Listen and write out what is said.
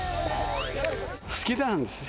好きなんですよ。